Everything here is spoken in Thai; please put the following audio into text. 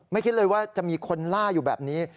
คิดเลยว่าจะมีคนล่าอยู่แบบนี้